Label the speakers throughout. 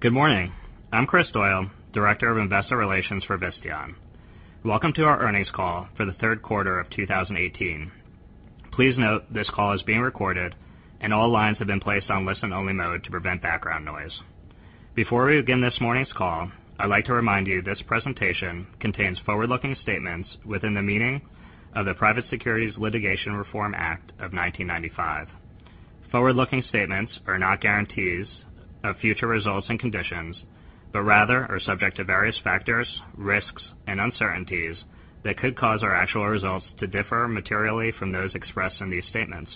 Speaker 1: Good morning. I'm Kris Doyle, Director of Investor Relations for Visteon. Welcome to our earnings call for the third quarter of 2018. Please note this call is being recorded, and all lines have been placed on listen-only mode to prevent background noise. Before we begin this morning's call, I'd like to remind you this presentation contains forward-looking statements within the meaning of the Private Securities Litigation Reform Act of 1995. Forward-looking statements are not guarantees of future results and conditions, but rather are subject to various factors, risks, and uncertainties that could cause our actual results to differ materially from those expressed in these statements.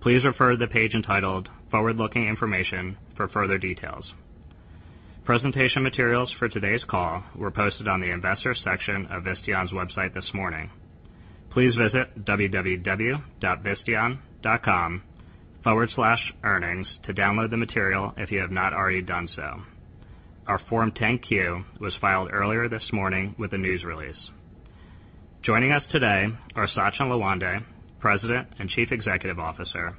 Speaker 1: Please refer to the page entitled Forward-Looking Information for further details. Presentation materials for today's call were posted on the investors section of Visteon's website this morning. Please visit www.visteon.com/earnings to download the material if you have not already done so. Our Form 10-Q was filed earlier this morning with a news release. Joining us today are Sachin Lawande, President and Chief Executive Officer,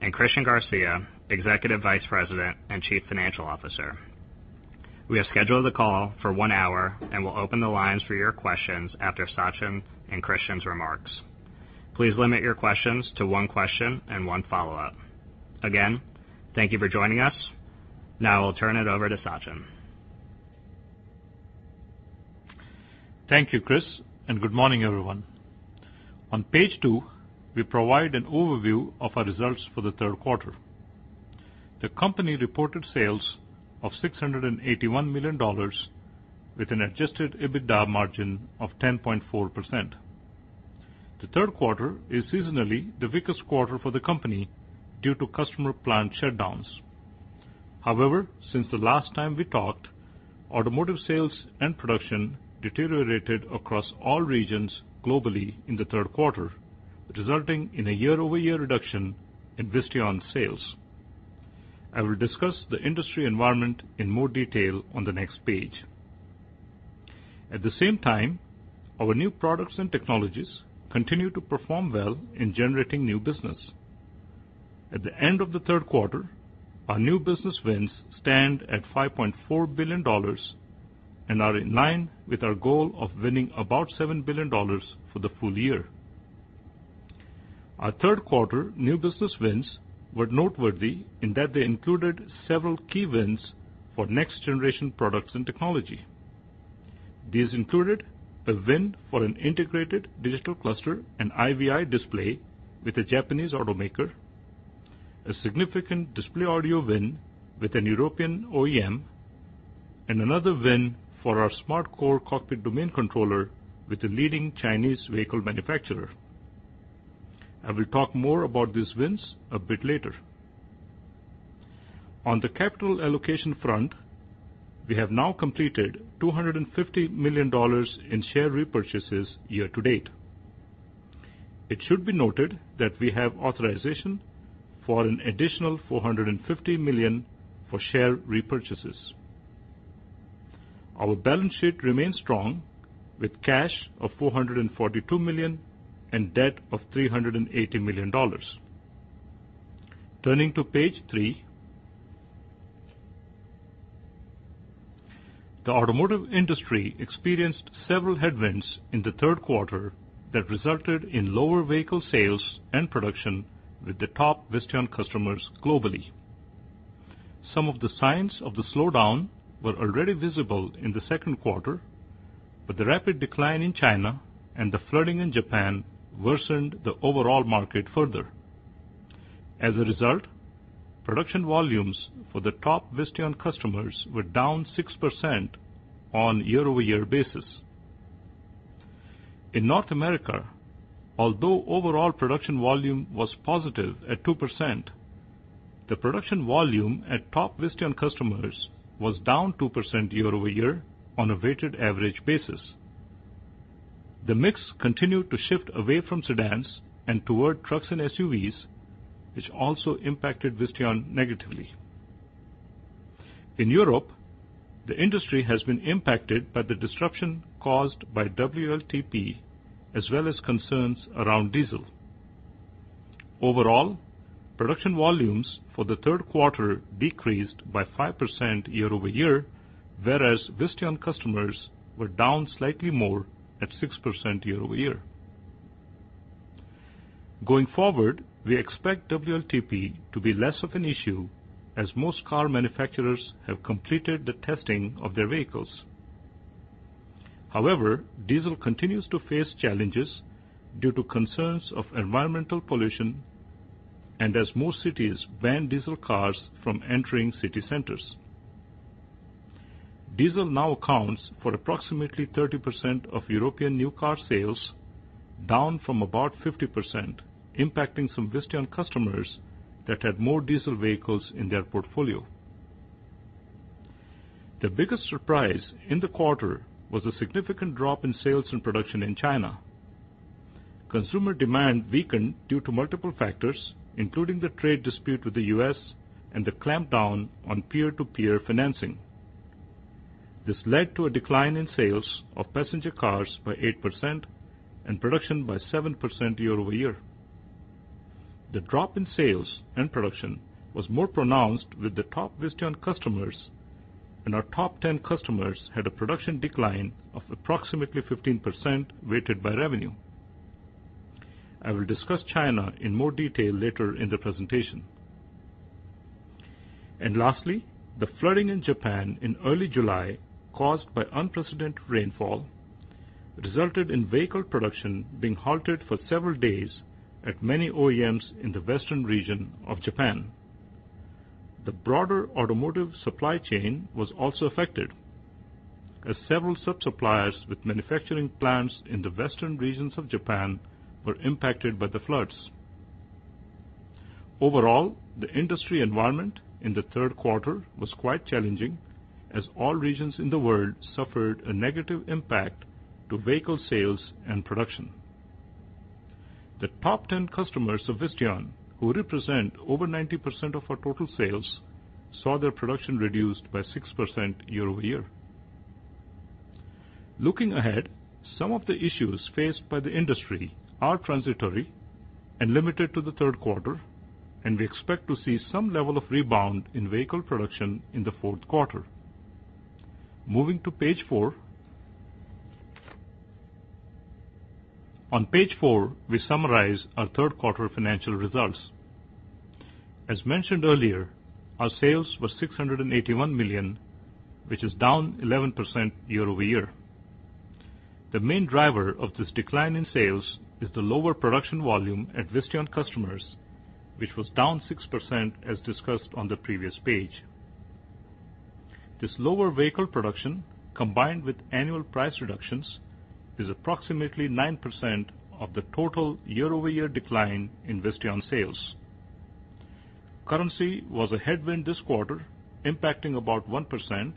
Speaker 1: and Christian Garcia, Executive Vice President and Chief Financial Officer. We have scheduled the call for one hour and will open the lines for your questions after Sachin and Christian's remarks. Please limit your questions to one question and one follow-up. Again, thank you for joining us. Now I'll turn it over to Sachin.
Speaker 2: Thank you, Kris, and good morning, everyone. On page two, we provide an overview of our results for the third quarter. The company reported sales of $681 million with an adjusted EBITDA margin of 10.4%. The third quarter is seasonally the weakest quarter for the company due to customer plant shutdowns. However, since the last time we talked, automotive sales and production deteriorated across all regions globally in the third quarter, resulting in a year-over-year reduction in Visteon sales. I will discuss the industry environment in more detail on the next page. At the same time, our new products and technologies continue to perform well in generating new business. At the end of the third quarter, our new business wins stand at $5.4 billion and are in line with our goal of winning about $7 billion for the full year. Our third quarter new business wins were noteworthy in that they included several key wins for next generation products and technology. These included a win for an integrated digital cluster and IVI display with a Japanese automaker, a significant display audio win with an European OEM, and another win for our SmartCore cockpit domain controller with a leading Chinese vehicle manufacturer. I will talk more about these wins a bit later. On the capital allocation front, we have now completed $250 million in share repurchases year to date. It should be noted that we have authorization for an additional $450 million for share repurchases. Our balance sheet remains strong with cash of $442 million and debt of $380 million. Turning to page three. The automotive industry experienced several headwinds in the third quarter that resulted in lower vehicle sales and production with the top Visteon customers globally. Some of the signs of the slowdown were already visible in the second quarter. The rapid decline in China and the flooding in Japan worsened the overall market further. As a result, production volumes for the top Visteon customers were down 6% on year-over-year basis. In North America, although overall production volume was positive at 2%, the production volume at top Visteon customers was down 2% year-over-year on a weighted average basis. The mix continued to shift away from sedans and toward trucks and SUVs, which also impacted Visteon negatively. In Europe, the industry has been impacted by the disruption caused by WLTP as well as concerns around diesel. Overall, production volumes for the third quarter decreased by 5% year-over-year, whereas Visteon customers were down slightly more at 6% year-over-year. Going forward, we expect WLTP to be less of an issue as most car manufacturers have completed the testing of their vehicles. However, diesel continues to face challenges due to concerns of environmental pollution and as more cities ban diesel cars from entering city centers. Diesel now accounts for approximately 30% of European new car sales, down from about 50%, impacting some Visteon customers that had more diesel vehicles in their portfolio. The biggest surprise in the quarter was a significant drop in sales and production in China. Consumer demand weakened due to multiple factors, including the trade dispute with the U.S. and the clampdown on peer-to-peer financing. This led to a decline in sales of passenger cars by 8% and production by 7% year-over-year. The drop in sales and production was more pronounced with the top Visteon customers, and our top 10 customers had a production decline of approximately 15% weighted by revenue. I will discuss China in more detail later in the presentation. Lastly, the flooding in Japan in early July caused by unprecedented rainfall resulted in vehicle production being halted for several days at many OEMs in the western region of Japan. The broader automotive supply chain was also affected, as several sub-suppliers with manufacturing plants in the western regions of Japan were impacted by the floods. Overall, the industry environment in the third quarter was quite challenging, as all regions in the world suffered a negative impact to vehicle sales and production. The top 10 customers of Visteon, who represent over 90% of our total sales, saw their production reduced by 6% year-over-year. Looking ahead, some of the issues faced by the industry are transitory and limited to the third quarter, and we expect to see some level of rebound in vehicle production in the fourth quarter. Moving to page four. On page four, we summarize our third quarter financial results. As mentioned earlier, our sales were $681 million, which is down 11% year-over-year. The main driver of this decline in sales is the lower production volume at Visteon customers, which was down 6% as discussed on the previous page. This lower vehicle production, combined with annual price reductions, is approximately 9% of the total year-over-year decline in Visteon sales. Currency was a headwind this quarter, impacting about 1%.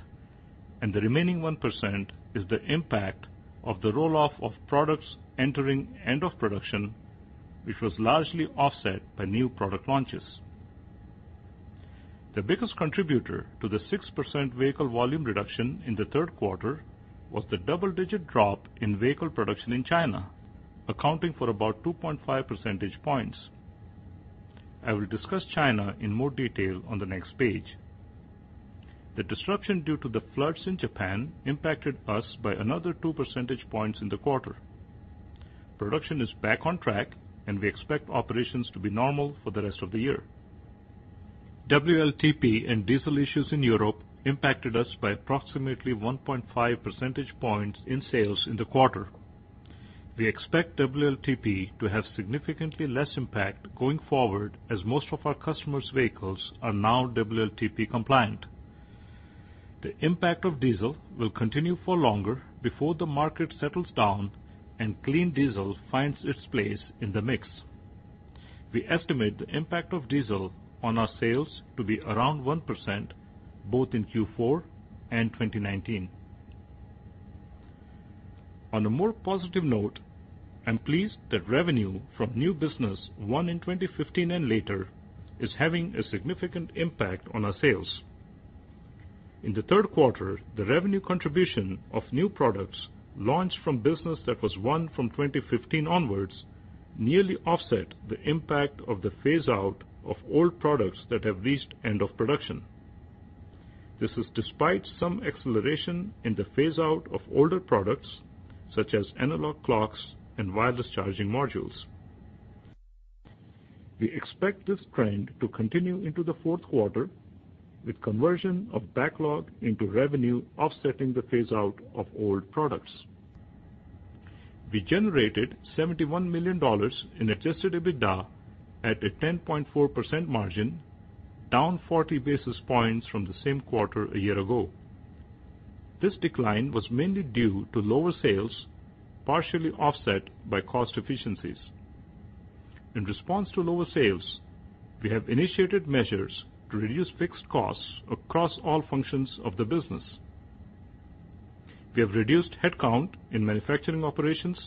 Speaker 2: The remaining 1% is the impact of the roll-off of products entering end of production, which was largely offset by new product launches. The biggest contributor to the 6% vehicle volume reduction in the third quarter was the double-digit drop in vehicle production in China, accounting for about 2.5 percentage points. I will discuss China in more detail on the next page. The disruption due to the floods in Japan impacted us by another two percentage points in the quarter. Production is back on track. We expect operations to be normal for the rest of the year. WLTP and diesel issues in Europe impacted us by approximately 1.5 percentage points in sales in the quarter. We expect WLTP to have significantly less impact going forward, as most of our customers' vehicles are now WLTP compliant. The impact of diesel will continue for longer before the market settles down and clean diesel finds its place in the mix. We estimate the impact of diesel on our sales to be around 1%, both in Q4 and 2019. On a more positive note, I'm pleased that revenue from new business won in 2015 and later is having a significant impact on our sales. In the third quarter, the revenue contribution of new products launched from business that was won from 2015 onwards nearly offset the impact of the phase-out of old products that have reached end of production. This is despite some acceleration in the phase-out of older products, such as analog clocks and wireless charging modules. We expect this trend to continue into the fourth quarter with conversion of backlog into revenue offsetting the phase-out of old products. We generated $71 million in adjusted EBITDA at a 10.4% margin, down 40 basis points from the same quarter a year ago. This decline was mainly due to lower sales, partially offset by cost efficiencies. In response to lower sales, we have initiated measures to reduce fixed costs across all functions of the business. We have reduced headcount in manufacturing operations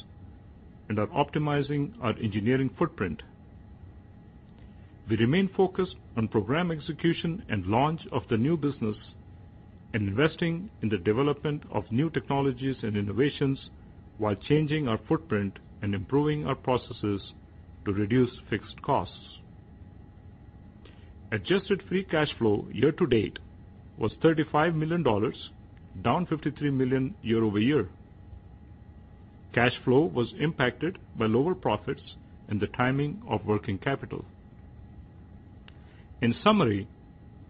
Speaker 2: and are optimizing our engineering footprint. We remain focused on program execution and launch of the new business and investing in the development of new technologies and innovations while changing our footprint and improving our processes to reduce fixed costs. Adjusted free cash flow year-to-date was $35 million, down $53 million year-over-year. Cash flow was impacted by lower profits and the timing of working capital. In summary,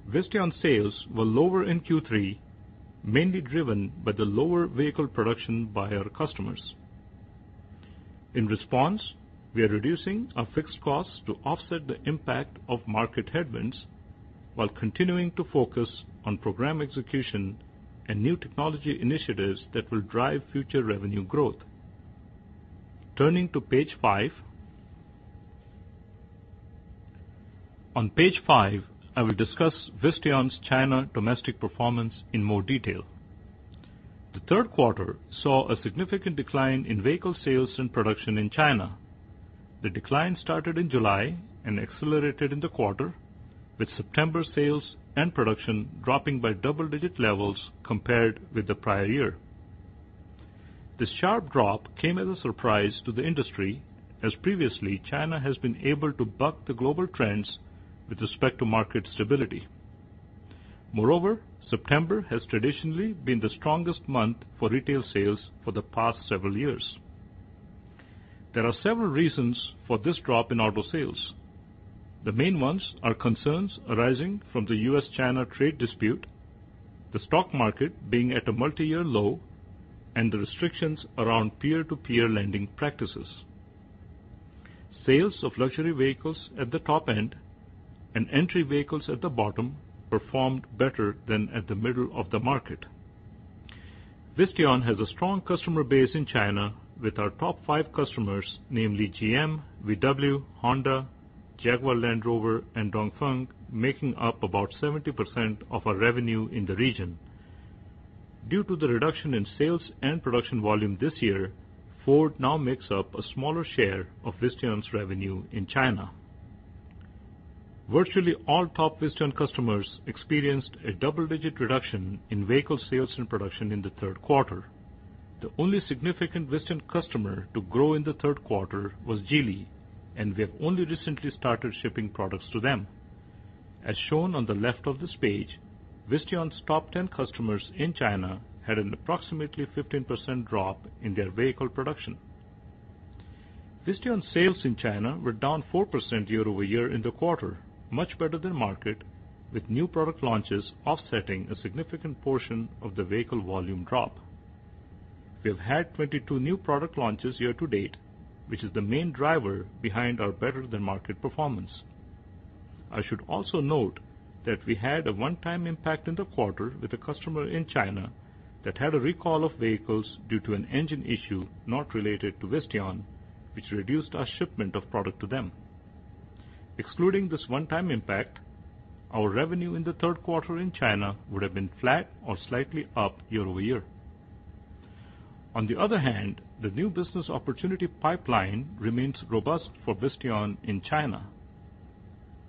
Speaker 2: Visteon sales were lower in Q3, mainly driven by the lower vehicle production by our customers. In response, we are reducing our fixed costs to offset the impact of market headwinds while continuing to focus on program execution and new technology initiatives that will drive future revenue growth. Turning to page five. On page five, I will discuss Visteon's China domestic performance in more detail. The third quarter saw a significant decline in vehicle sales and production in China. The decline started in July and accelerated in the quarter, with September sales and production dropping by double-digit levels compared with the prior year. The sharp drop came as a surprise to the industry, as previously, China has been able to buck the global trends with respect to market stability. Moreover, September has traditionally been the strongest month for retail sales for the past several years. There are several reasons for this drop in auto sales. The main ones are concerns arising from the U.S.-China trade dispute, the stock market being at a multi-year low, and the restrictions around peer-to-peer lending practices. Sales of luxury vehicles at the top end and entry vehicles at the bottom performed better than at the middle of the market. Visteon has a strong customer base in China, with our top five customers, namely GM, VW, Honda, Jaguar Land Rover, and Dongfeng, making up about 70% of our revenue in the region. Due to the reduction in sales and production volume this year, Ford now makes up a smaller share of Visteon's revenue in China. Virtually all top Visteon customers experienced a double-digit reduction in vehicle sales and production in the third quarter. The only significant Visteon customer to grow in the third quarter was Geely, and we have only recently started shipping products to them. As shown on the left of this page, Visteon's top 10 customers in China had an approximately 15% drop in their vehicle production. Visteon sales in China were down 4% year-over-year in the quarter, much better than market, with new product launches offsetting a significant portion of the vehicle volume drop. We have had 22 new product launches year to date, which is the main driver behind our better than market performance. I should also note that we had a one-time impact in the quarter with a customer in China that had a recall of vehicles due to an engine issue not related to Visteon, which reduced our shipment of product to them. Excluding this one-time impact, our revenue in the third quarter in China would have been flat or slightly up year-over-year. On the other hand, the new business opportunity pipeline remains robust for Visteon in China.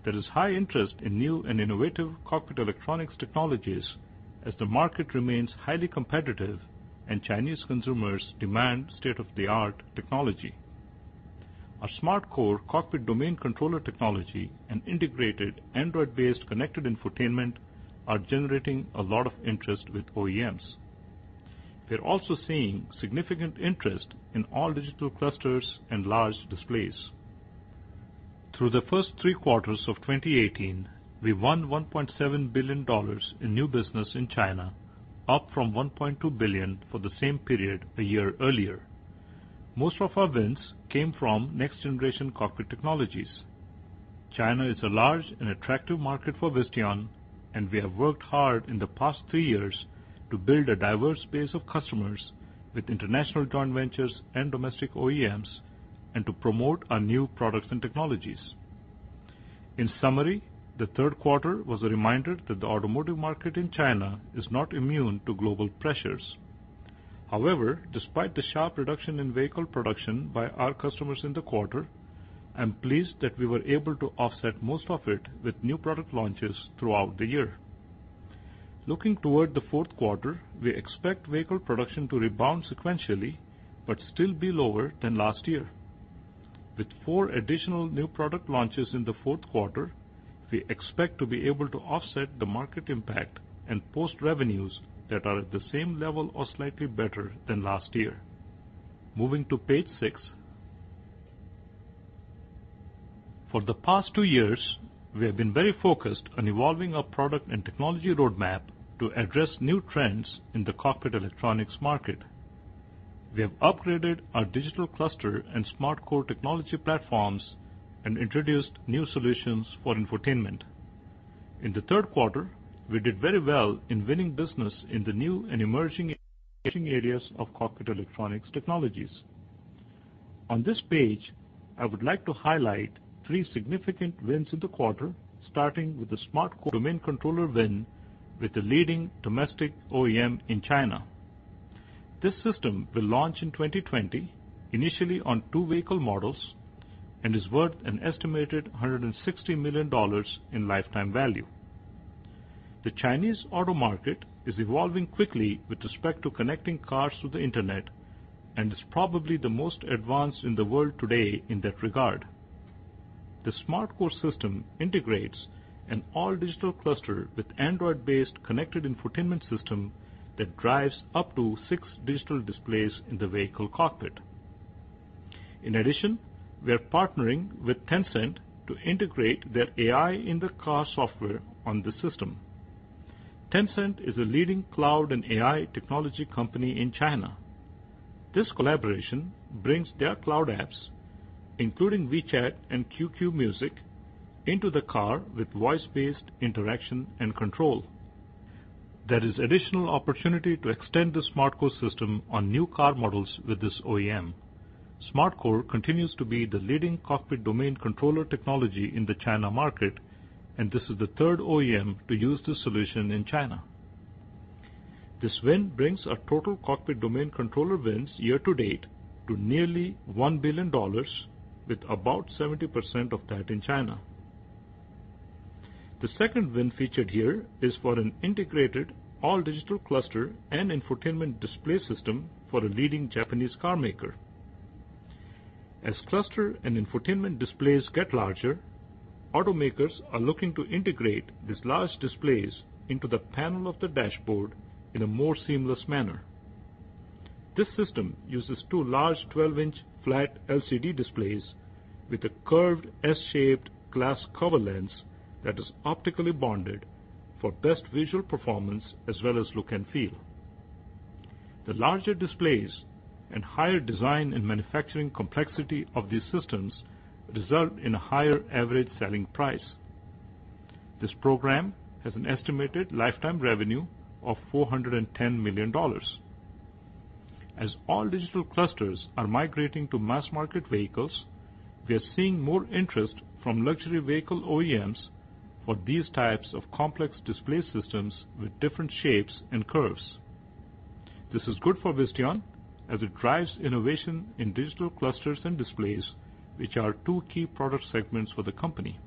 Speaker 2: There is high interest in new and innovative cockpit electronics technologies as the market remains highly competitive and Chinese consumers demand state-of-the-art technology. Our SmartCore cockpit domain controller technology and integrated Android-based connected infotainment are generating a lot of interest with OEMs. We are also seeing significant interest in all digital clusters and large displays. Through the first three quarters of 2018, we won $1.7 billion in new business in China, up from $1.2 billion for the same period a year earlier. Most of our wins came from next generation cockpit technologies. China is a large and attractive market for Visteon, and we have worked hard in the past three years to build a diverse base of customers with international joint ventures and domestic OEMs and to promote our new products and technologies. In summary, the third quarter was a reminder that the automotive market in China is not immune to global pressures. However, despite the sharp reduction in vehicle production by our customers in the quarter, I am pleased that we were able to offset most of it with new product launches throughout the year. Looking toward the fourth quarter, we expect vehicle production to rebound sequentially, but still be lower than last year. With four additional new product launches in the fourth quarter, we expect to be able to offset the market impact and post revenues that are at the same level or slightly better than last year. Moving to page six. For the past two years, we have been very focused on evolving our product and technology roadmap to address new trends in the cockpit electronics market. We have upgraded our digital cluster and SmartCore technology platforms and introduced new solutions for infotainment. In the third quarter, we did very well in winning business in the new and emerging areas of cockpit electronics technologies. On this page, I would like to highlight three significant wins in the quarter, starting with the SmartCore domain controller win with the leading domestic OEM in China. This system will launch in 2020, initially on two vehicle models, and is worth an estimated $160 million in lifetime value. The Chinese auto market is evolving quickly with respect to connecting cars to the internet and is probably the most advanced in the world today in that regard. The SmartCore system integrates an all-digital cluster with Android-based connected infotainment system that drives up to six digital displays in the vehicle cockpit. In addition, we are partnering with Tencent to integrate their AI in their car software on this system. Tencent is a leading cloud and AI technology company in China. This collaboration brings their cloud apps, including WeChat and QQ Music, into the car with voice-based interaction and control. There is additional opportunity to extend the SmartCore system on new car models with this OEM. SmartCore continues to be the leading cockpit domain controller technology in the China market, and this is the third OEM to use this solution in China. This win brings our total cockpit domain controller wins year to date to nearly $1 billion, with about 70% of that in China. The second win featured here is for an integrated all digital cluster and infotainment display system for a leading Japanese car maker. As cluster and infotainment displays get larger, automakers are looking to integrate these large displays into the panel of the dashboard in a more seamless manner. This system uses two large 12-inch flat LCD displays with a curved S-shaped glass cover lens that is optically bonded for best visual performance as well as look and feel. The larger displays and higher design in manufacturing complexity of these systems result in a higher average selling price. This program has an estimated lifetime revenue of $410 million. As all digital clusters are migrating to mass market vehicles, we are seeing more interest from luxury vehicle OEMs for these types of complex display systems with different shapes and curves. This is good for Visteon as it drives innovation in digital clusters and displays, which are two key product segments for the company.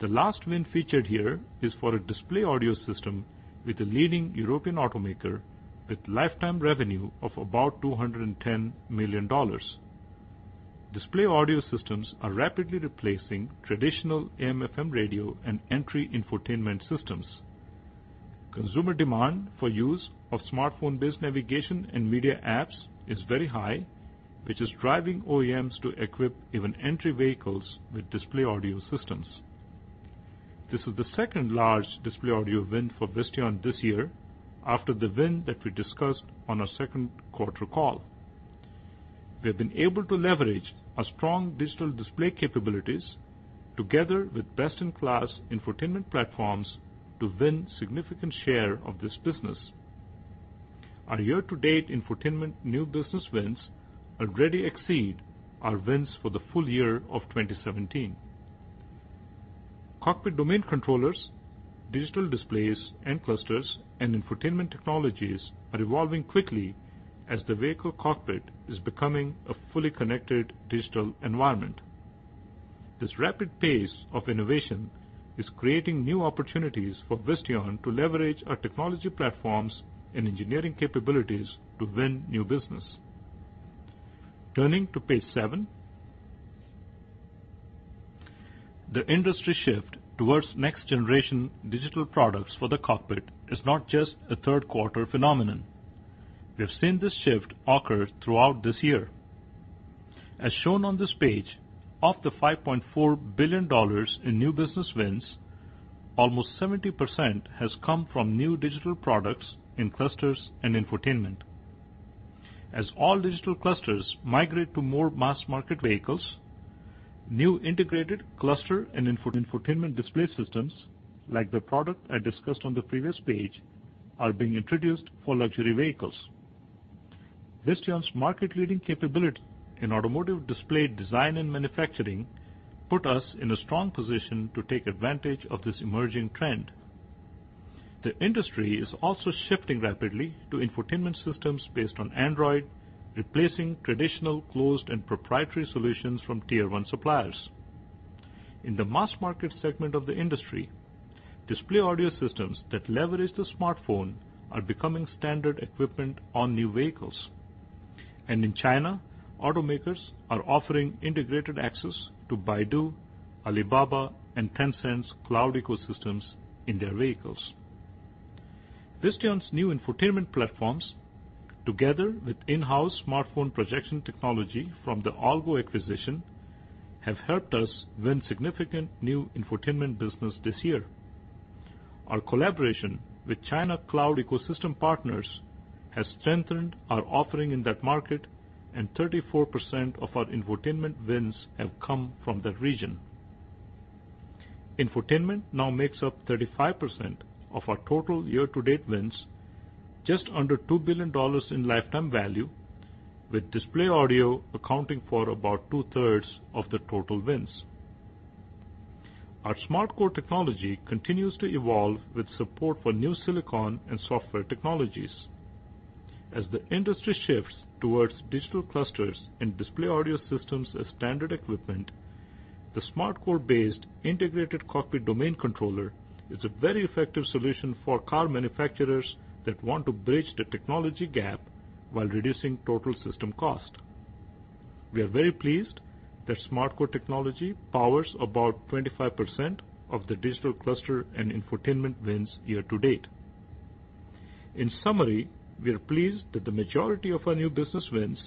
Speaker 2: The last win featured here is for a display audio system with a leading European automaker with lifetime revenue of about $210 million. Display audio systems are rapidly replacing traditional AM/FM radio and entry infotainment systems. Consumer demand for use of smartphone-based navigation and media apps is very high, which is driving OEMs to equip even entry vehicles with display audio systems. This is the second large display audio win for Visteon this year after the win that we discussed on our second quarter call. We have been able to leverage our strong digital display capabilities together with best-in-class infotainment platforms to win significant share of this business. Our year-to-date infotainment new business wins already exceed our wins for the full year of 2017. Cockpit domain controllers, digital displays and clusters and infotainment technologies are evolving quickly as the vehicle cockpit is becoming a fully connected digital environment. This rapid pace of innovation is creating new opportunities for Visteon to leverage our technology platforms and engineering capabilities to win new business. Turning to page seven. The industry shift towards next generation digital products for the cockpit is not just a third quarter phenomenon. We have seen this shift occur throughout this year. As shown on this page, of the $5.4 billion in new business wins, almost 70% has come from new digital products in digital clusters and infotainment. As all digital clusters migrate to more mass market vehicles, new integrated digital cluster and infotainment display systems, like the product I discussed on the previous page, are being introduced for luxury vehicles. Visteon's market leading capability in automotive display design and manufacturing put us in a strong position to take advantage of this emerging trend. The industry is also shifting rapidly to infotainment systems based on Android, replacing traditional closed and proprietary solutions from tier one suppliers. In China, automakers are offering integrated access to Baidu, Alibaba, and Tencent's cloud ecosystems in their vehicles. Visteon's new infotainment platforms, together with in-house smartphone projection technology from the AllGo acquisition, have helped us win significant new infotainment business this year. Our collaboration with China cloud ecosystem partners has strengthened our offering in that market, and 34% of our infotainment wins have come from that region. Infotainment now makes up 35% of our total year-to-date wins, just under $2 billion in lifetime value, with display audio accounting for about two-thirds of the total wins. Our SmartCore technology continues to evolve with support for new silicon and software technologies. As the industry shifts towards digital clusters and display audio systems as standard equipment, the SmartCore based integrated cockpit domain controller is a very effective solution for car manufacturers that want to bridge the technology gap while reducing total system cost. We are very pleased that SmartCore technology powers about 25% of the digital cluster and infotainment wins year to date. In summary, we are pleased that the majority of our new business wins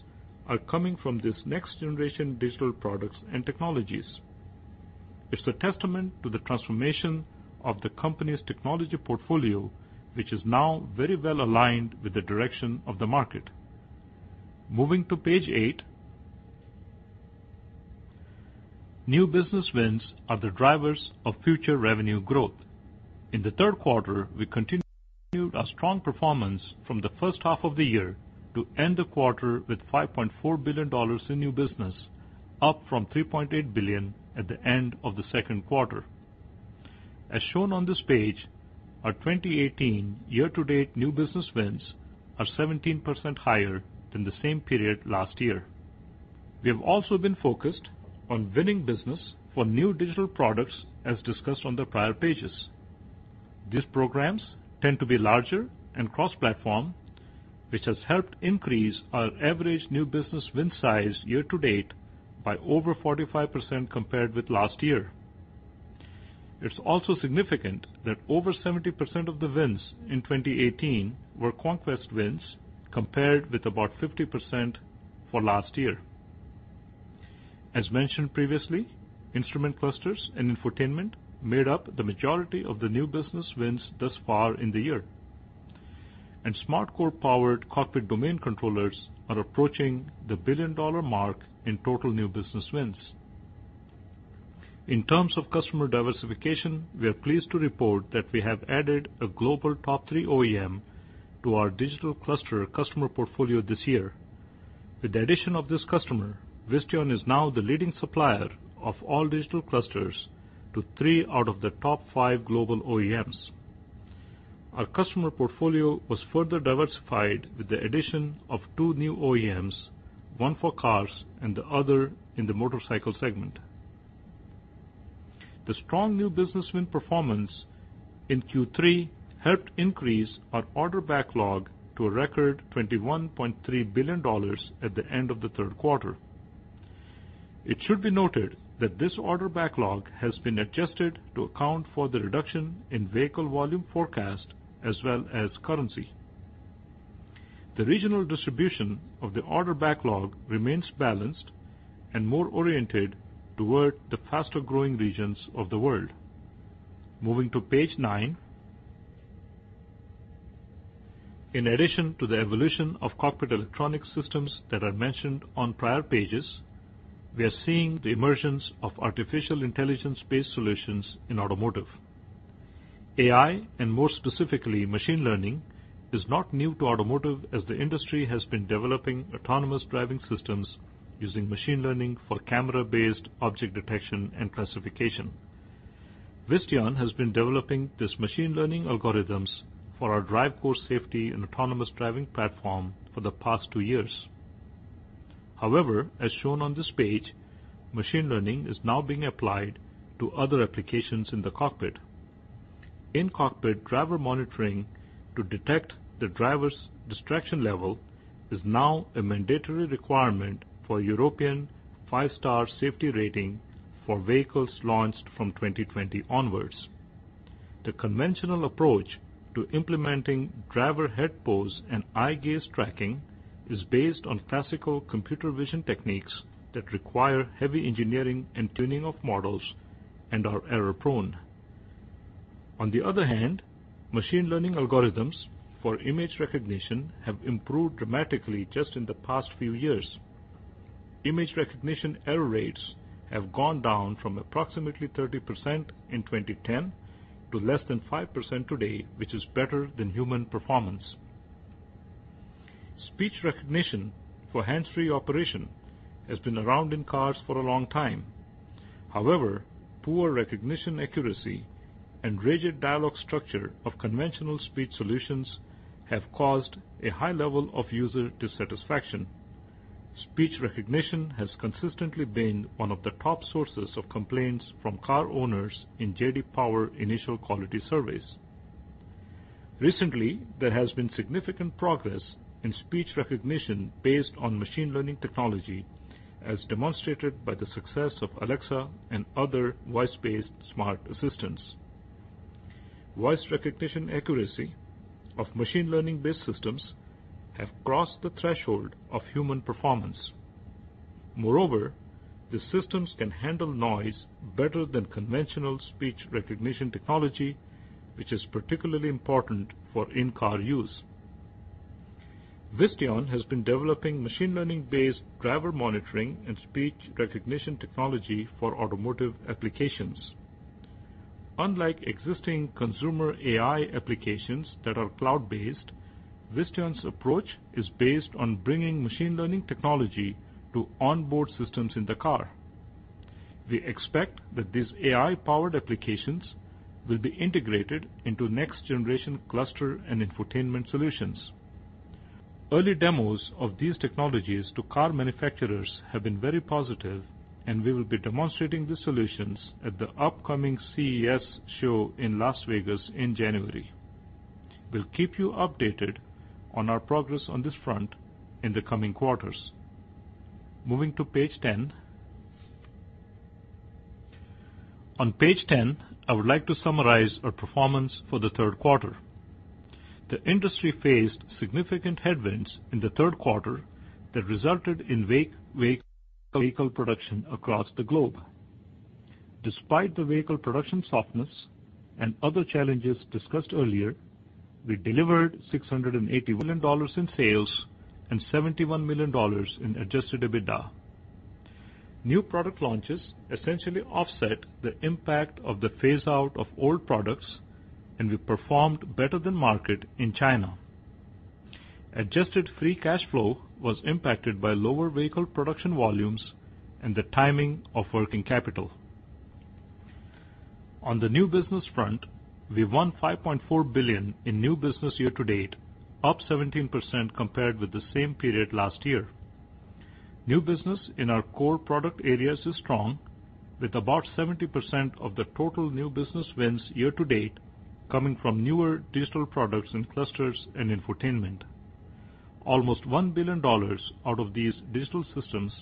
Speaker 2: are coming from this next generation digital products and technologies. It's a testament to the transformation of the company's technology portfolio, which is now very well aligned with the direction of the market. Moving to page eight. New business wins are the drivers of future revenue growth. In the third quarter, we continued our strong performance from the first half of the year to end the quarter with $5.4 billion in new business, up from $3.8 billion at the end of the second quarter. As shown on this page, our 2018 year-to-date new business wins are 17% higher than the same period last year. We have also been focused on winning business for new digital products, as discussed on the prior pages. These programs tend to be larger and cross-platform, which has helped increase our average new business win size year to date by over 45% compared with last year. It's also significant that over 70% of the wins in 2018 were conquest wins, compared with about 50% for last year. As mentioned previously, instrument clusters and infotainment made up the majority of the new business wins thus far in the year. SmartCore powered cockpit domain controllers are approaching the billion-dollar mark in total new business wins. In terms of customer diversification, we are pleased to report that we have added a global top 3 OEM to our digital cluster customer portfolio this year. With the addition of this customer, Visteon is now the leading supplier of all digital clusters to 3 out of the top 5 global OEMs. Our customer portfolio was further diversified with the addition of 2 new OEMs, 1 for cars and the other in the motorcycle segment. The strong new business win performance in Q3 helped increase our order backlog to a record $21.3 billion at the end of the third quarter. It should be noted that this order backlog has been adjusted to account for the reduction in vehicle volume forecast as well as currency. The regional distribution of the order backlog remains balanced and more oriented toward the faster-growing regions of the world. Moving to page nine. In addition to the evolution of cockpit electronic systems that are mentioned on prior pages, we are seeing the emergence of artificial intelligence-based solutions in automotive. AI, and more specifically machine learning, is not new to automotive as the industry has been developing autonomous driving systems using machine learning for camera-based object detection and classification. Visteon has been developing these machine learning algorithms for our DriveCore safety and autonomous driving platform for the past two years. However, as shown on this page, machine learning is now being applied to other applications in the cockpit. In-cockpit driver monitoring to detect the driver's distraction level is now a mandatory requirement for European 5-star safety rating for vehicles launched from 2020 onwards. The conventional approach to implementing driver head pose and eye gaze tracking is based on classical computer vision techniques that require heavy engineering and tuning of models and are error-prone. On the other hand, machine learning algorithms for image recognition have improved dramatically just in the past few years. Image recognition error rates have gone down from approximately 30% in 2010 to less than 5% today, which is better than human performance. Speech recognition for hands-free operation has been around in cars for a long time. However, poor recognition accuracy and rigid dialogue structure of conventional speech solutions have caused a high level of user dissatisfaction. Speech recognition has consistently been one of the top sources of complaints from car owners in J.D. Power initial quality surveys. Recently, there has been significant progress in speech recognition based on machine learning technology, as demonstrated by the success of Alexa and other voice-based smart assistants. Voice recognition accuracy of machine learning-based systems have crossed the threshold of human performance. Moreover, these systems can handle noise better than conventional speech recognition technology, which is particularly important for in-car use. Visteon has been developing machine learning-based driver monitoring and speech recognition technology for automotive applications. Unlike existing consumer AI applications that are cloud-based, Visteon's approach is based on bringing machine learning technology to onboard systems in the car. We expect that these AI-powered applications will be integrated into next generation cluster and infotainment solutions. Early demos of these technologies to car manufacturers have been very positive, and we will be demonstrating the solutions at the upcoming CES show in Las Vegas in January. We'll keep you updated on our progress on this front in the coming quarters. Moving to page 10. On page 10, I would like to summarize our performance for the third quarter. The industry faced significant headwinds in the third quarter that resulted in weak vehicle production across the globe. Despite the vehicle production softness and other challenges discussed earlier, we delivered $681 million in sales and $71 million in adjusted EBITDA. New product launches essentially offset the impact of the phaseout of old products, and we performed better than market in China. Adjusted free cash flow was impacted by lower vehicle production volumes and the timing of working capital. On the new business front, we won $5.4 billion in new business year to date, up 17% compared with the same period last year. New business in our core product areas is strong, with about 70% of the total new business wins year to date coming from newer digital products in clusters and infotainment. Almost $1 billion out of these digital systems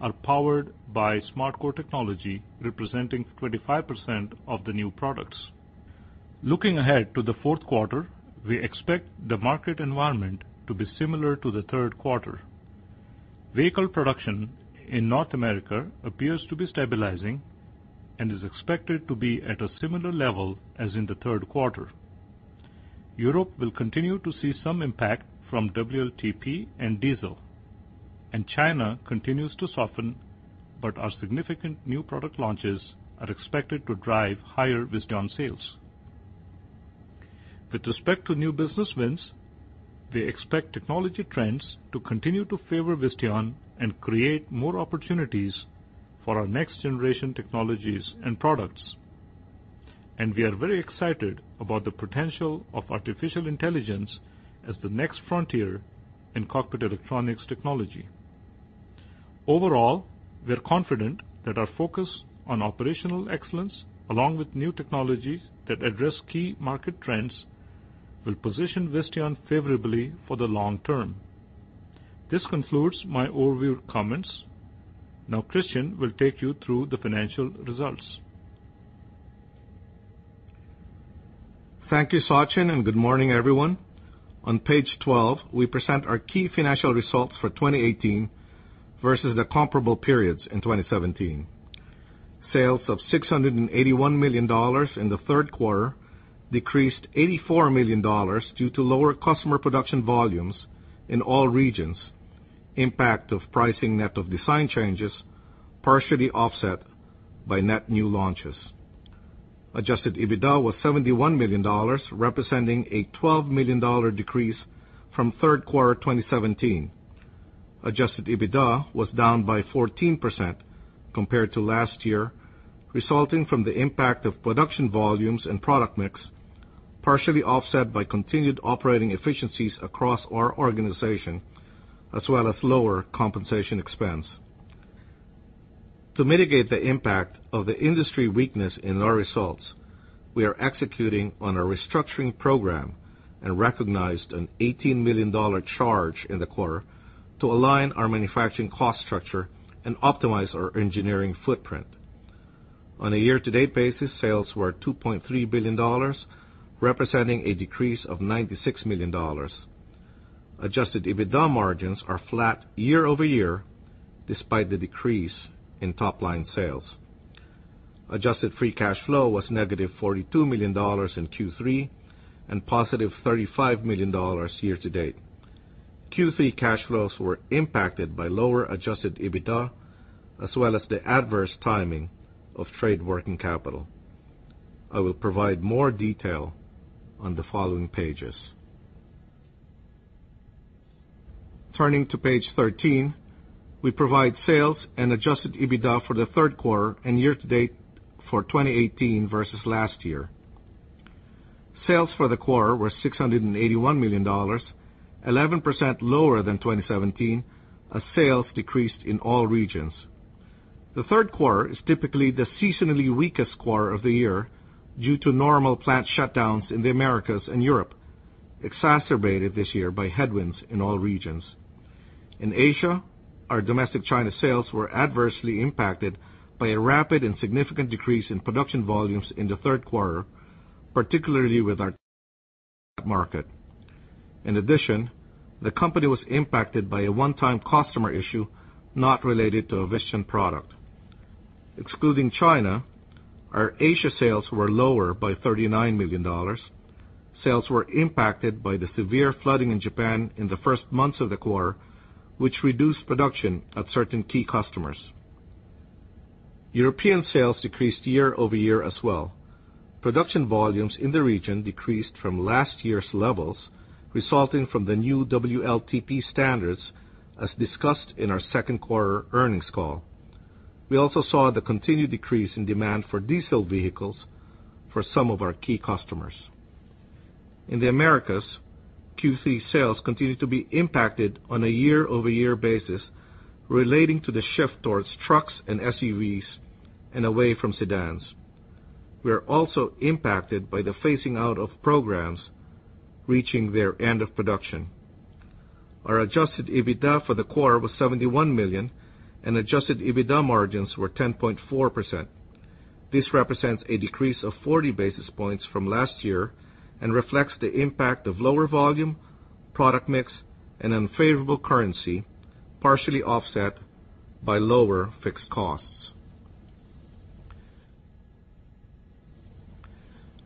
Speaker 2: are powered by SmartCore technology, representing 25% of the new products. Looking ahead to the fourth quarter, we expect the market environment to be similar to the third quarter. Vehicle production in North America appears to be stabilizing and is expected to be at a similar level as in the third quarter. Europe will continue to see some impact from WLTP and diesel, and China continues to soften, but our significant new product launches are expected to drive higher Visteon sales. With respect to new business wins, we expect technology trends to continue to favor Visteon and create more opportunities for our next-generation technologies and products. We are very excited about the potential of artificial intelligence as the next frontier in cockpit electronics technology. Overall, we are confident that our focus on operational excellence, along with new technologies that address key market trends, will position Visteon favorably for the long term. This concludes my overview comments. Now Christian will take you through the financial results.
Speaker 3: Thank you, Sachin, and good morning, everyone. On page 12, we present our key financial results for 2018 versus the comparable periods in 2017. Sales of $681 million in the third quarter decreased $84 million due to lower customer production volumes in all regions, impact of pricing net of design changes, partially offset by net new launches. Adjusted EBITDA was $71 million, representing a $12 million decrease from third quarter 2017. Adjusted EBITDA was down by 14% compared to last year, resulting from the impact of production volumes and product mix, partially offset by continued operating efficiencies across our organization, as well as lower compensation expense. To mitigate the impact of the industry weakness in our results, we are executing on a restructuring program and recognized an $18 million charge in the quarter to align our manufacturing cost structure and optimize our engineering footprint. On a year-to-date basis, sales were $2.3 billion, representing a decrease of $96 million. Adjusted EBITDA margins are flat year-over-year, despite the decrease in top-line sales. Adjusted free cash flow was negative $42 million in Q3 and positive $35 million year-to-date. Q3 cash flows were impacted by lower Adjusted EBITDA as well as the adverse timing of trade working capital. I will provide more detail on the following pages. Turning to page 13, we provide sales and Adjusted EBITDA for the third quarter and year-to-date for 2018 versus last year. Sales for the quarter were $681 million, 11% lower than 2017, as sales decreased in all regions. The third quarter is typically the seasonally weakest quarter of the year due to normal plant shutdowns in the Americas and Europe, exacerbated this year by headwinds in all regions. In Asia, our domestic China sales were adversely impacted by a rapid and significant decrease in production volumes in the third quarter, particularly with our market. In addition, the company was impacted by a one-time customer issue not related to a Visteon product. Excluding China, our Asia sales were lower by $39 million. Sales were impacted by the severe flooding in Japan in the first months of the quarter, which reduced production at certain key customers. European sales decreased year-over-year as well. Production volumes in the region decreased from last year's levels, resulting from the new WLTP standards, as discussed in our second quarter earnings call. We also saw the continued decrease in demand for diesel vehicles for some of our key customers. In the Americas, Q3 sales continued to be impacted on a year-over-year basis relating to the shift towards trucks and SUVs and away from sedans. We are also impacted by the phasing out of programs reaching their end of production. Our Adjusted EBITDA for the quarter was $71 million and Adjusted EBITDA margins were 10.4%. This represents a decrease of 40 basis points from last year and reflects the impact of lower volume, product mix, and unfavorable currency, partially offset by lower fixed costs.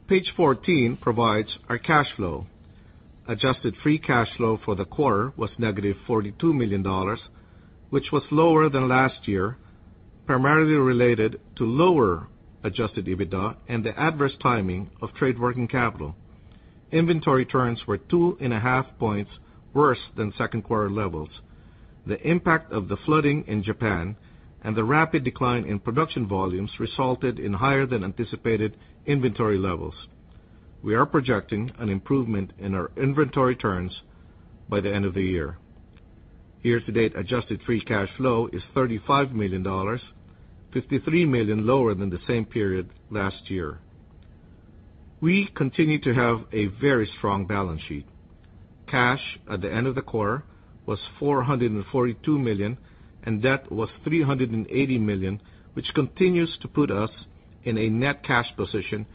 Speaker 3: Page 14 provides our cash flow. Adjusted free cash flow for the quarter was negative $42 million, which was lower than last year, primarily related to lower Adjusted EBITDA and the adverse timing of trade working capital. Inventory turns were two and a half points worse than second quarter levels. The impact of the flooding in Japan and the rapid decline in production volumes resulted in higher than anticipated inventory levels. We are projecting an improvement in our inventory turns by the end of the year. Year-to-date Adjusted free cash flow is $35 million, $53 million lower than the same period last year. We continue to have a very strong balance sheet. Cash at the end of the quarter was $442 million, and debt was $380 million, which continues to put us in a net cash position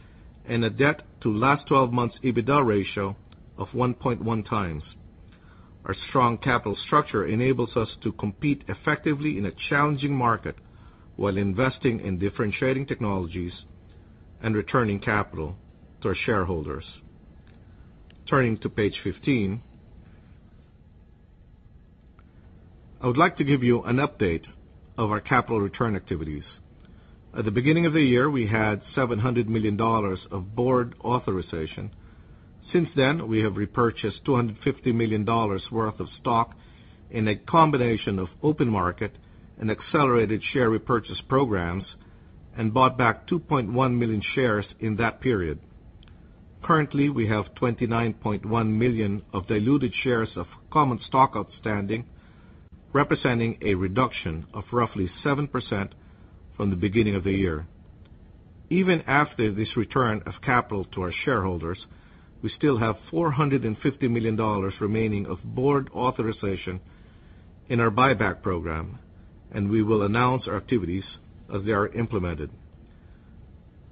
Speaker 3: and a debt to last 12 months EBITDA ratio of 1.1 times. Our strong capital structure enables us to compete effectively in a challenging market while investing in differentiating technologies and returning capital to our shareholders. Turning to page 15. I would like to give you an update of our capital return activities. At the beginning of the year, we had $700 million of board authorization. Since then, we have repurchased $250 million worth of stock in a combination of open market and accelerated share repurchase programs and bought back 2.1 million shares in that period. Currently, we have 29.1 million of diluted shares of common stock outstanding, representing a reduction of roughly 7% from the beginning of the year. Even after this return of capital to our shareholders, we still have $450 million remaining of Board authorization in our buyback program. We will announce our activities as they are implemented.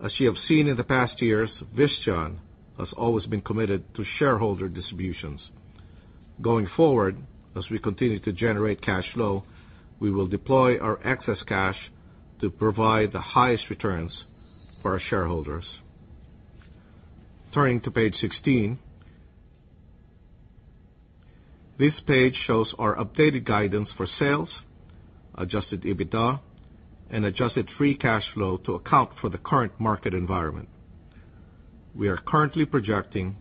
Speaker 3: As you have seen in the past years, Visteon has always been committed to shareholder distributions. Going forward, as we continue to generate cash flow, we will deploy our excess cash to provide the highest returns for our shareholders. Turning to page 16, this page shows our updated guidance for sales, adjusted EBITDA, and adjusted free cash flow to account for the current market environment. We are currently projecting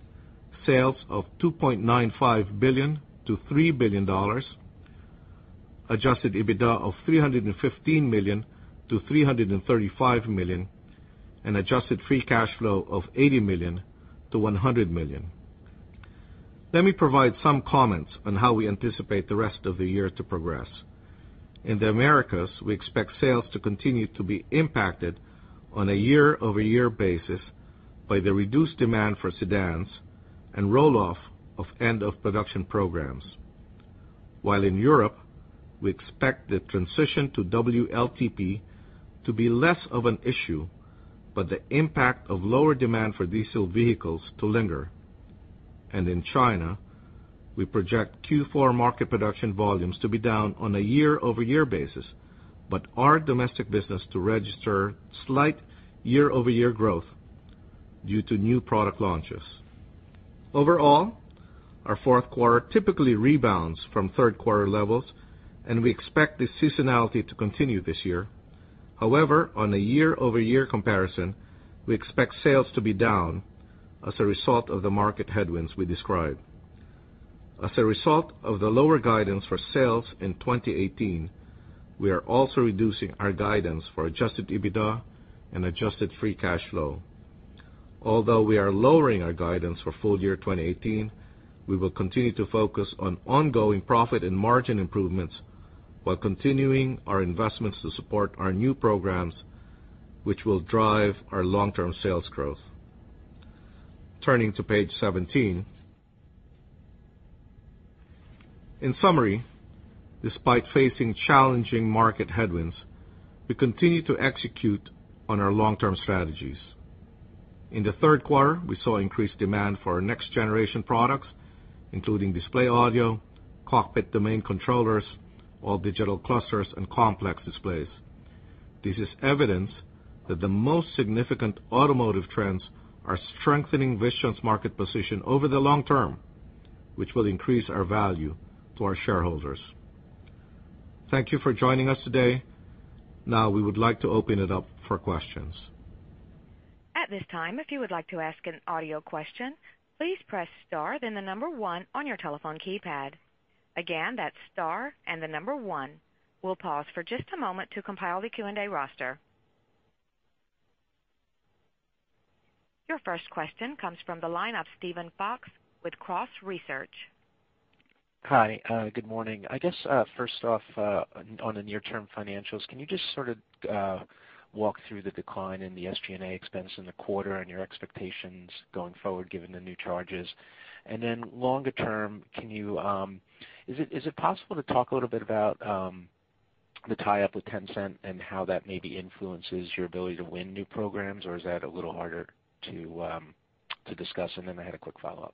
Speaker 3: sales of $2.95 billion to $3 billion, adjusted EBITDA of $315 million-$335 million, and adjusted free cash flow of $80 million-$100 million. Let me provide some comments on how we anticipate the rest of the year to progress. In the Americas, we expect sales to continue to be impacted on a year-over-year basis by the reduced demand for sedans and roll-off of end of production programs, while in Europe, we expect the transition to WLTP to be less of an issue, but the impact of lower demand for diesel vehicles to linger. In China, we project Q4 market production volumes to be down on a year-over-year basis, but our domestic business to register slight year-over-year growth due to new product launches. Overall, our fourth quarter typically rebounds from third quarter levels, and we expect this seasonality to continue this year. However, on a year-over-year comparison, we expect sales to be down as a result of the market headwinds we described. As a result of the lower guidance for sales in 2018, we are also reducing our guidance for adjusted EBITDA and adjusted free cash flow. Although we are lowering our guidance for full year 2018, we will continue to focus on ongoing profit and margin improvements while continuing our investments to support our new programs, which will drive our long-term sales growth. Turning to page 17, in summary, despite facing challenging market headwinds, we continue to execute on our long-term strategies. In the third quarter, we saw increased demand for our next generation products, including display audio, cockpit domain controllers, all digital clusters, and complex displays. This is evidence that the most significant automotive trends are strengthening Visteon's market position over the long term, which will increase our value to our shareholders. Thank you for joining us today. Now, we would like to open it up for questions.
Speaker 4: At this time, if you would like to ask an audio question, please press star, then the number one on your telephone keypad. Again, that's star and the number one. We'll pause for just a moment to compile the Q&A roster. Your first question comes from the line of Steven Fox with Cross Research.
Speaker 5: Hi. Good morning. I guess, first off, on the near-term financials, can you just sort of walk through the decline in the SG&A expense in the quarter and your expectations going forward, given the new charges? Longer term, is it possible to talk a little bit about the tie-up with Tencent and how that maybe influences your ability to win new programs, or is that a little harder to discuss? I had a quick follow-up.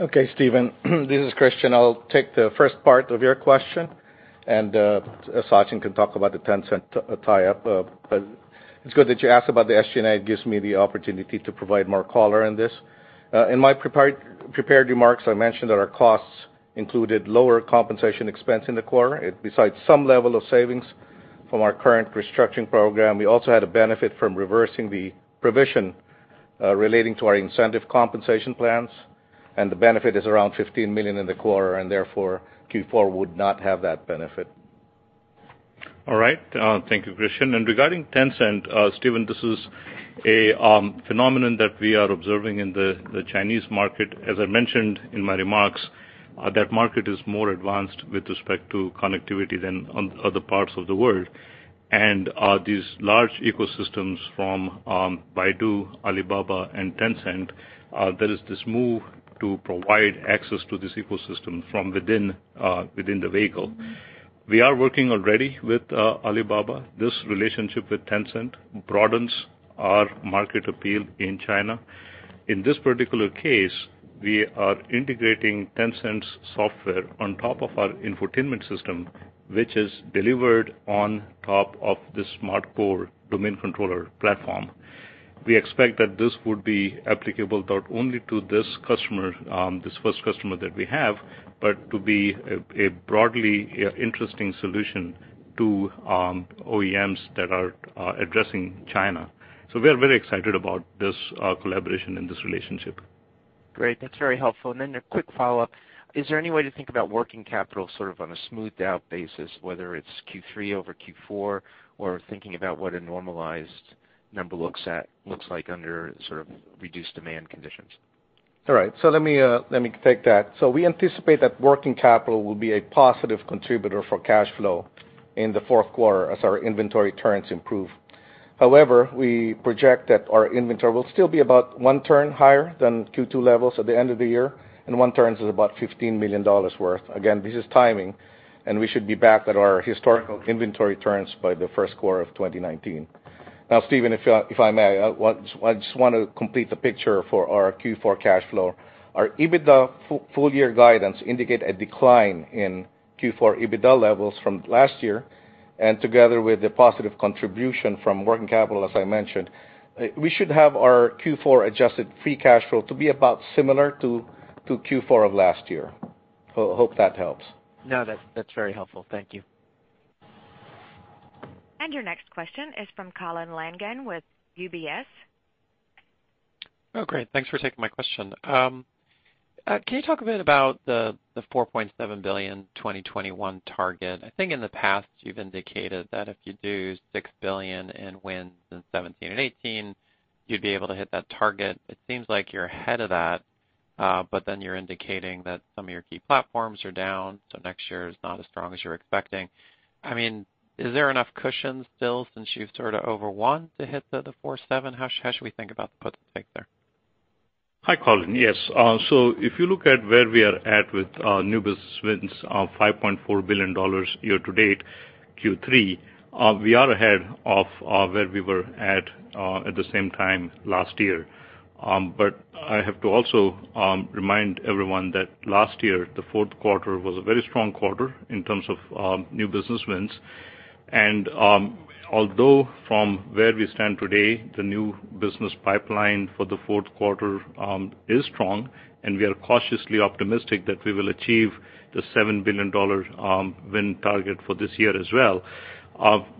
Speaker 3: Okay, Steven, this is Christian. Sachin can talk about the Tencent tie-up. It's good that you asked about the SG&A. It gives me the opportunity to provide more color in this. In my prepared remarks, I mentioned that our costs included lower compensation expense in the quarter. Besides some level of savings from our current restructuring program, we also had a benefit from reversing the provision relating to our incentive compensation plans. The benefit is around $15 million in the quarter. Therefore, Q4 would not have that benefit.
Speaker 2: All right. Thank you, Christian. Regarding Tencent, Steven, this is a phenomenon that we are observing in the Chinese market. As I mentioned in my remarks, that market is more advanced with respect to connectivity than other parts of the world. These large ecosystems from Baidu, Alibaba and Tencent, there is this move to provide access to this ecosystem from within the vehicle. We are working already with Alibaba. This relationship with Tencent broadens our market appeal in China. In this particular case, we are integrating Tencent's software on top of our infotainment system, which is delivered on top of the SmartCore domain controller platform. We expect that this would be applicable not only to this first customer that we have, but to be a broadly interesting solution to OEMs that are addressing China. We are very excited about this collaboration and this relationship.
Speaker 5: Great. That's very helpful. A quick follow-up. Is there any way to think about working capital sort of on a smoothed-out basis, whether it's Q3 over Q4, or thinking about what a normalized number looks like under sort of reduced demand conditions?
Speaker 3: All right, let me take that. We anticipate that working capital will be a positive contributor for cash flow in the fourth quarter as our inventory turns improve. However, we project that our inventory will still be about one turn higher than Q2 levels at the end of the year, and one turns is about $15 million worth. Again, this is timing, and we should be back at our historical inventory turns by the first quarter of 2019. Steven, if I may, I just want to complete the picture for our Q4 cash flow. Our EBITDA full-year guidance indicate a decline in Q4 EBITDA levels from last year, and together with the positive contribution from working capital, as I mentioned, we should have our Q4 adjusted free cash flow to be about similar to Q4 of last year. Hope that helps.
Speaker 5: No, that's very helpful. Thank you.
Speaker 4: Your next question is from Colin Langan with UBS.
Speaker 6: Oh, great. Thanks for taking my question. Can you talk a bit about the $4.7 billion 2021 target? I think in the past you've indicated that if you do $6 billion in wins in 2017 and 2018, you'd be able to hit that target. It seems like you're ahead of that, you're indicating that some of your key platforms are down, next year is not as strong as you're expecting. Is there enough cushion still since you've sort of over won to hit the 4.7? How should we think about the puts and takes there?
Speaker 2: Hi, Colin. Yes. If you look at where we are at with our new business wins of $5.4 billion year to date, Q3, we are ahead of where we were at the same time last year. I have to also remind everyone that last year, the fourth quarter was a very strong quarter in terms of new business wins. Although from where we stand today, the new business pipeline for the fourth quarter is strong, and we are cautiously optimistic that we will achieve the $7 billion win target for this year as well.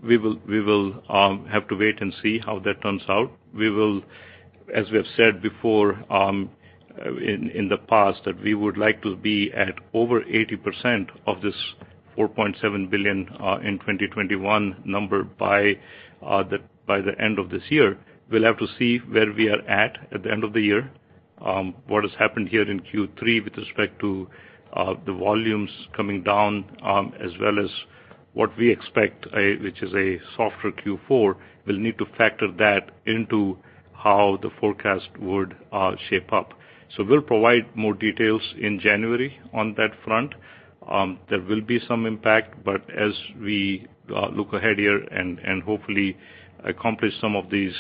Speaker 2: We will have to wait and see how that turns out. We will, as we have said before in the past, that we would like to be at over 80% of this $4.7 billion in 2021 number by the end of this year. We'll have to see where we are at the end of the year, what has happened here in Q3 with respect to the volumes coming down, as well as what we expect, which is a softer Q4. We'll need to factor that into how the forecast would shape up. We'll provide more details in January on that front. There will be some impact, but as we look ahead here and hopefully accomplish some of these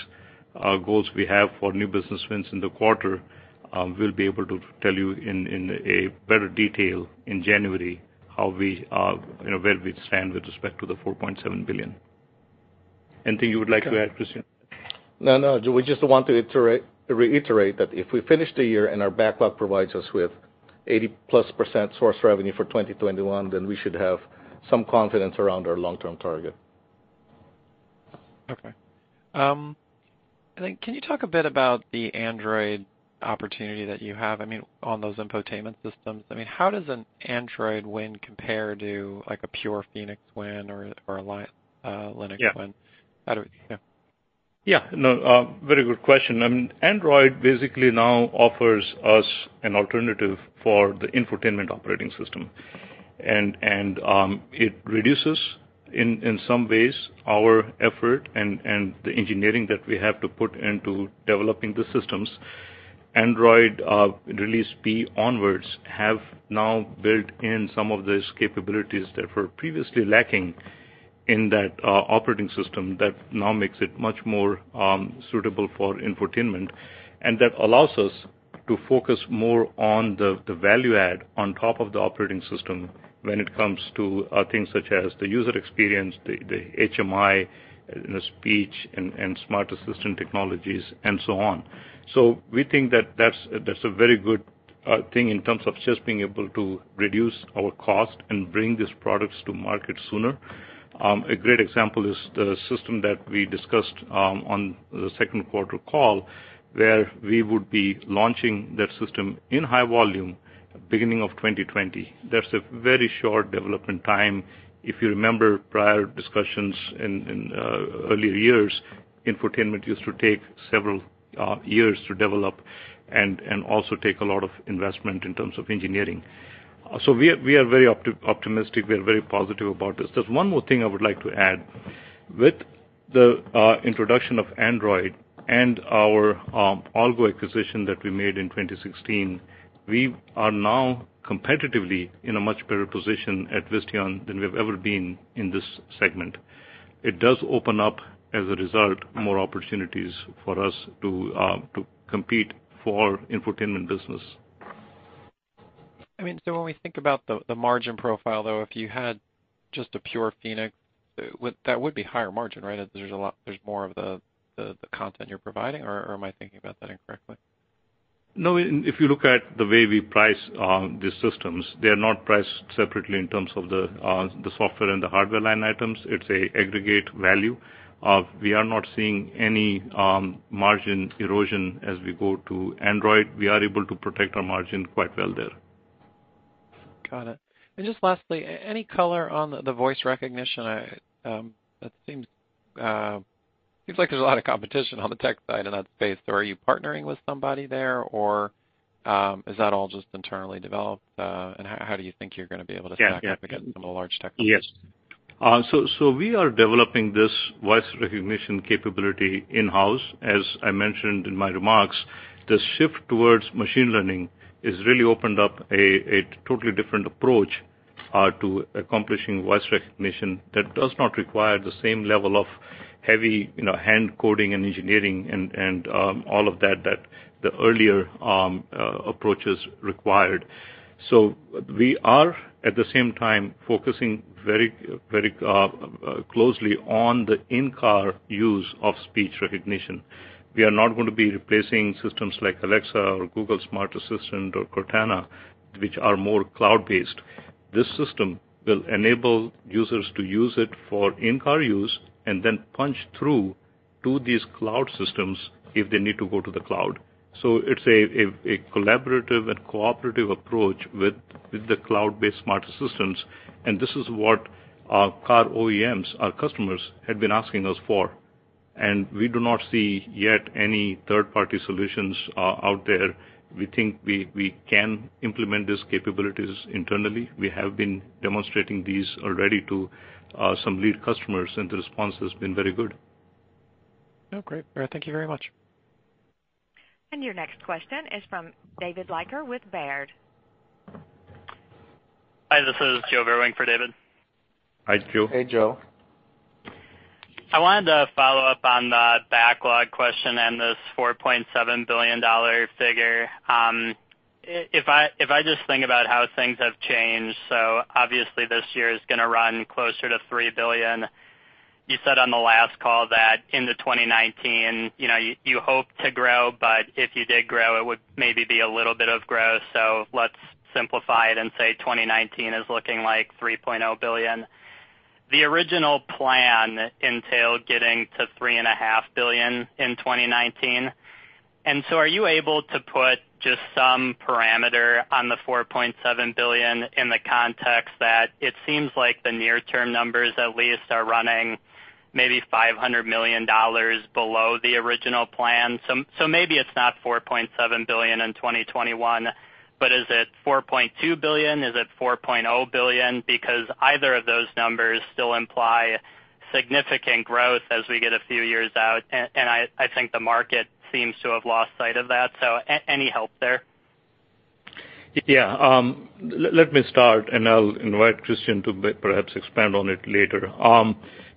Speaker 2: goals we have for new business wins in the quarter, we'll be able to tell you in a better detail in January how we are and where we stand with respect to the $4.7 billion. Anything you would like to add, Christian?
Speaker 3: No, we just want to reiterate that if we finish the year and our backlog provides us with 80-plus% source revenue for 2021, we should have some confidence around our long-term target.
Speaker 6: Okay. Can you talk a bit about the Android opportunity that you have on those infotainment systems? How does an Android win compare to a pure Phoenix™ win or a Linux win?
Speaker 2: Yeah. No, very good question. Android basically now offers us an alternative for the infotainment operating system, and it reduces, in some ways, our effort and the engineering that we have to put into developing the systems. Android release B onwards have now built in some of these capabilities that were previously lacking in that operating system that now makes it much more suitable for infotainment. That allows us to focus more on the value add on top of the operating system when it comes to things such as the user experience, the HMI, the speech, and smart assistant technologies, and so on. We think that that's I think in terms of just being able to reduce our cost and bring these products to market sooner. A great example is the system that we discussed on the second quarter call, where we would be launching that system in high volume beginning of 2020. That's a very short development time. If you remember prior discussions in earlier years, infotainment used to take several years to develop and also take a lot of investment in terms of engineering. We are very optimistic. We are very positive about this. There's one more thing I would like to add. With the introduction of Android and our AllGo acquisition that we made in 2016, we are now competitively in a much better position at Visteon than we've ever been in this segment. It does open up, as a result, more opportunities for us to compete for infotainment business.
Speaker 6: When we think about the margin profile, though, if you had just a pure Phoenix™, that would be higher margin, right? There's more of the content you're providing or am I thinking about that incorrectly?
Speaker 2: If you look at the way we price these systems, they are not priced separately in terms of the software and the hardware line items. It's aggregate value. We are not seeing any margin erosion as we go to Android. We are able to protect our margin quite well there.
Speaker 6: Got it. Just lastly, any color on the voice recognition? It seems like there's a lot of competition on the tech side in that space. Are you partnering with somebody there, or is that all just internally developed? How do you think you're going to be able to stack up-
Speaker 2: Yeah
Speaker 6: against some of the large tech companies?
Speaker 2: Yes. We are developing this voice recognition capability in-house. As I mentioned in my remarks, the shift towards machine learning has really opened up a totally different approach to accomplishing voice recognition that does not require the same level of heavy hand-coding and engineering and all of that the earlier approaches required. We are, at the same time, focusing very closely on the in-car use of speech recognition. We are not going to be replacing systems like Alexa or Google Assistant or Cortana, which are more cloud-based. This system will enable users to use it for in-car use and then punch through to these cloud systems if they need to go to the cloud. It's a collaborative and cooperative approach with the cloud-based smart assistants, and this is what our car OEMs, our customers, have been asking us for. We do not see yet any third-party solutions out there. We think we can implement these capabilities internally. We have been demonstrating these already to some lead customers, and the response has been very good.
Speaker 6: Oh, great. Thank you very much.
Speaker 4: Your next question is from David Leiker with Baird.
Speaker 7: Hi, this is Joe Vruwink for David.
Speaker 2: Hi, Joe.
Speaker 3: Hey, Joe.
Speaker 7: I wanted to follow up on the backlog question and this $4.7 billion figure. If I just think about how things have changed, obviously this year is going to run closer to $3 billion. You said on the last call that into 2019, you hope to grow, but if you did grow, it would maybe be a little bit of growth. Let's simplify it and say 2019 is looking like $3.0 billion. The original plan entailed getting to $3.5 billion in 2019. Are you able to put just some parameter on the $4.7 billion in the context that it seems like the near-term numbers at least are running maybe $500 million below the original plan. Maybe it's not $4.7 billion in 2021, but is it $4.2 billion? Is it $4.0 billion? Either of those numbers still imply significant growth as we get a few years out, and I think the market seems to have lost sight of that. Any help there?
Speaker 2: Yeah. Let me start, and I'll invite Christian to perhaps expand on it later.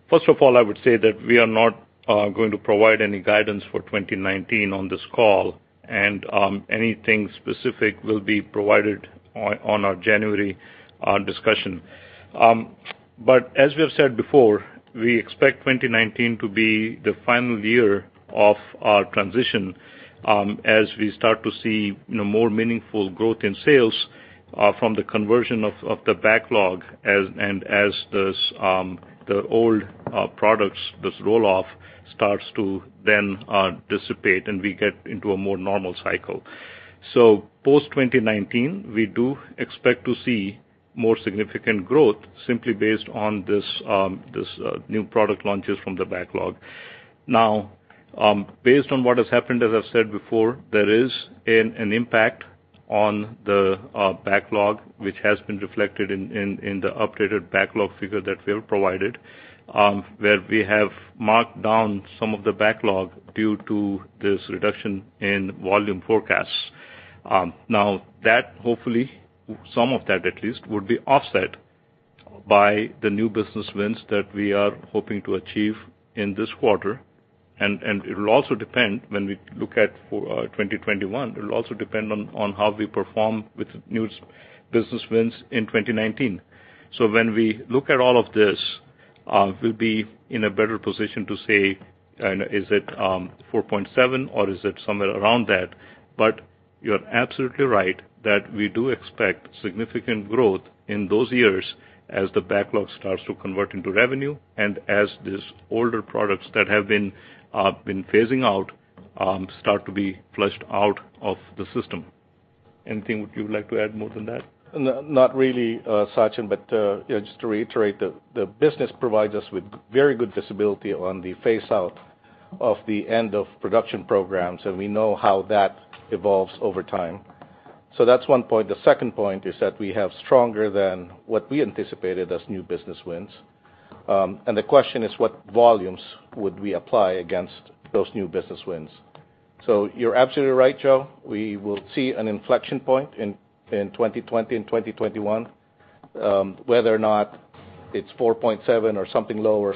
Speaker 2: First of all, I would say that we are not going to provide any guidance for 2019 on this call, and anything specific will be provided on our January discussion. As we have said before, we expect 2019 to be the final year of our transition as we start to see more meaningful growth in sales from the conversion of the backlog and as the old products, this roll-off, starts to then dissipate and we get into a more normal cycle. Post-2019, we do expect to see more significant growth simply based on these new product launches from the backlog. Based on what has happened, as I've said before, there is an impact on the backlog, which has been reflected in the updated backlog figure that we have provided, where we have marked down some of the backlog due to this reduction in volume forecasts. That hopefully, some of that at least, would be offset by the new business wins that we are hoping to achieve in this quarter. It will also depend when we look at 2021. It will also depend on how we perform with new business wins in 2019. When we look at all of this, we'll be in a better position to say, is it 4.7 or is it somewhere around that? You're absolutely right that we do expect significant growth in those years as the backlog starts to convert into revenue and as these older products that have been phasing out start to be flushed out of the system. Anything you would like to add more than that?
Speaker 3: Not really, Sachin, just to reiterate, the business provides us with very good visibility on the phase-out of the end-of-production programs, and we know how that evolves over time. That's one point. The second point is that we have stronger than what we anticipated as new business wins. The question is, what volumes would we apply against those new business wins? You're absolutely right, Joe. We will see an inflection point in 2020 and 2021. Whether or not it's 4.7 or something lower,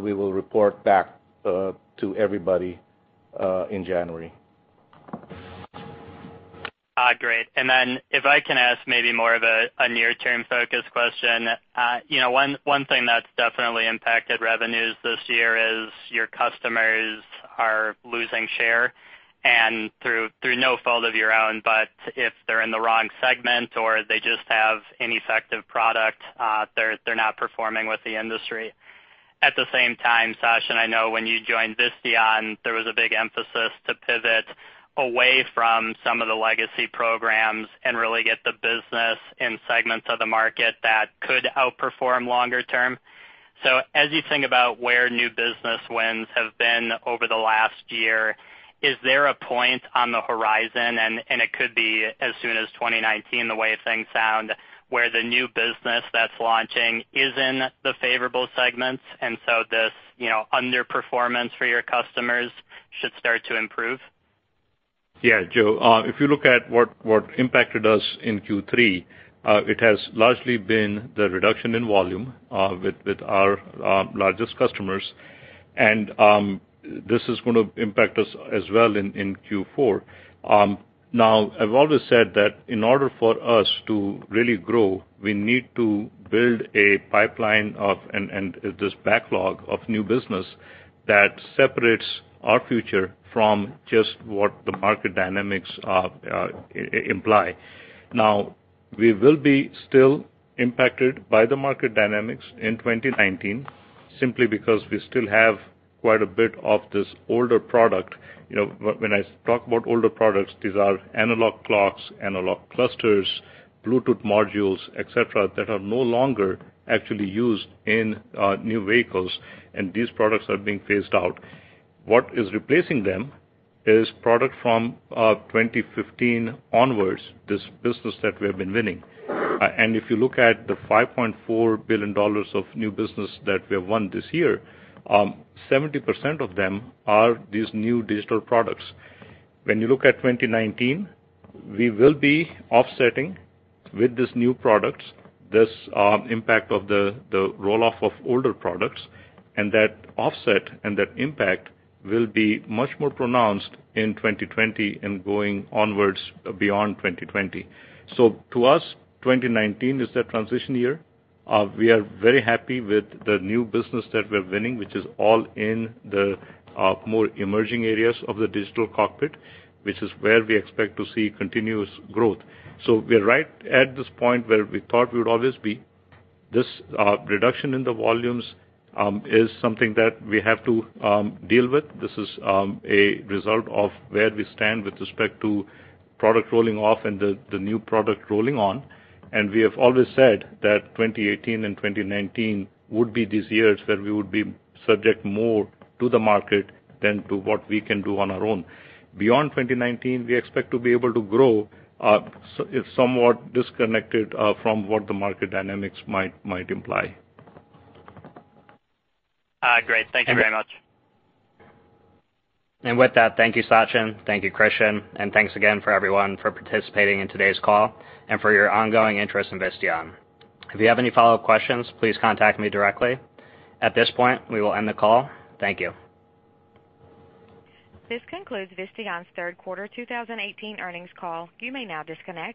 Speaker 3: we will report back to everybody in January.
Speaker 7: Great. If I can ask maybe more of a near-term focus question. One thing that's definitely impacted revenues this year is your customers are losing share through no fault of your own. If they're in the wrong segment or they just have ineffective product, they're not performing with the industry. At the same time, Sachin, I know when you joined Visteon, there was a big emphasis to pivot away from some of the legacy programs and really get the business in segments of the market that could outperform longer term. As you think about where new business wins have been over the last year, is there a point on the horizon, it could be as soon as 2019, the way things sound, where the new business that's launching is in the favorable segments, this underperformance for your customers should start to improve?
Speaker 2: Yeah, Joe, if you look at what impacted us in Q3, it has largely been the reduction in volume with our largest customers, this is going to impact us as well in Q4. I've always said that in order for us to really grow, we need to build a pipeline and this backlog of new business that separates our future from just what the market dynamics imply. We will be still impacted by the market dynamics in 2019 simply because we still have quite a bit of this older product. When I talk about older products, these are analog clocks, analog clusters, Bluetooth modules, et cetera, that are no longer actually used in new vehicles, these products are being phased out. What is replacing them is product from 2015 onwards, this business that we have been winning. If you look at the $5.4 billion of new business that we have won this year, 70% of them are these new digital products. When you look at 2019, we will be offsetting with these new products, this impact of the roll-off of older products, that offset and that impact will be much more pronounced in 2020 going onwards beyond 2020. To us, 2019 is the transition year. We are very happy with the new business that we're winning, which is all in the more emerging areas of the digital cockpit, which is where we expect to see continuous growth. We're right at this point where we thought we would always be. This reduction in the volumes is something that we have to deal with. This is a result of where we stand with respect to product rolling off the new product rolling on. We have always said that 2018 and 2019 would be these years where we would be subject more to the market than to what we can do on our own. Beyond 2019, we expect to be able to grow somewhat disconnected from what the market dynamics might imply.
Speaker 7: Great. Thank you very much.
Speaker 1: With that, thank you, Sachin. Thank you, Christian. Thanks again for everyone for participating in today's call and for your ongoing interest in Visteon. If you have any follow-up questions, please contact me directly. At this point, we will end the call. Thank you.
Speaker 4: This concludes Visteon's third quarter 2018 earnings call. You may now disconnect.